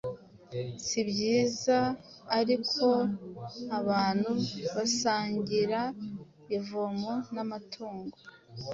Si byiza ariko ko abantu basangira ivomo n’amatungo.